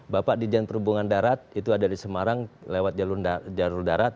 bapak didian perhubungan darat itu ada di semarang lewat jalur darat